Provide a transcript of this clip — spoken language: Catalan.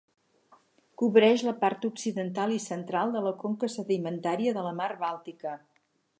Cobreix la part occidental i central de la conca sedimentària de la Mar Bàltica.